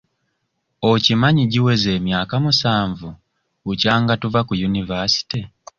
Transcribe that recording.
Okimanyi giweze emyaka musanvu bukyanga tuva ku yunivaasite?